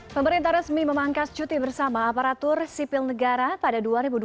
pemerintah resmi memangkas cuti bersama aparatur sipil negara pada dua ribu dua puluh